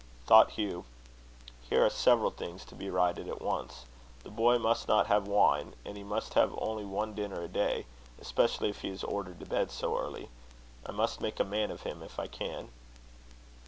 Thought Hugh: "Here are several things to be righted at once. The boy must not have wine; and he must have only one dinner a day especially if he is ordered to bed so early. I must make a man of him if I can."